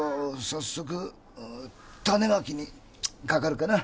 早速種まきにかかるかな。